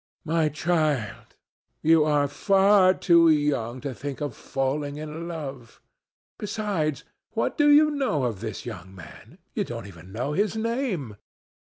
"My child, you are far too young to think of falling in love. Besides, what do you know of this young man? You don't even know his name.